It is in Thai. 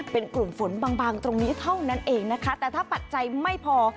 เป็นกลุ่มฝนบางบางตรงนี้เท่านั้นเองนะคะแต่ถ้าปัจจัยไม่พอ